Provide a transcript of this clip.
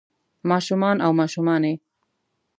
ما شومان او ماشومانے